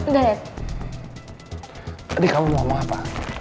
dari kamu mau apa